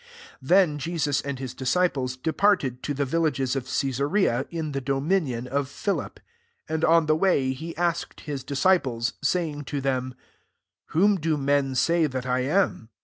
27 Then Jesus and his disci ples departed to the villages of Cesarea, in the dominion of Philip: and on the way, he asked his disciples, saying to them, " Whom do men say that I am